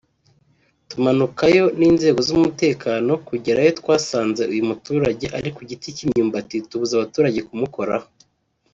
tumanukayo n’inzego z’umutekano kugerayo twasanze uyu muturage ari ku giti cy’imyumbati tubuza abaturage kumukoraho